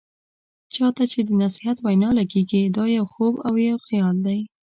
چا ته چې د نصيحت وینا لګیږي، دا يو خوب او خيال دی.